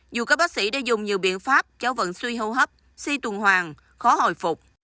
dù các bác sĩ đã dùng nhiều biện pháp cháu vẫn suy hô hấp si tuần hoàng khó hồi phục